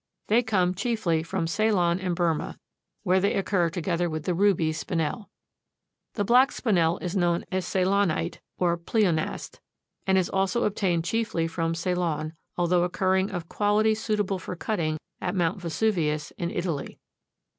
They come chiefly from Ceylon and Burmah, where they occur together with the ruby Spinel. The black Spinel is known as Ceylonite, or pleonaste, and is also obtained chiefly from Ceylon, although occurring of quality suitable for cutting at Mount Vesuvius in Italy.